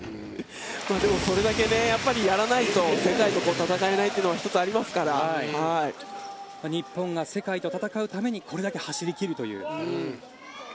でもそれだけやらないと世界と戦えないというのは日本が世界と戦うためにこれだけ走り切るという。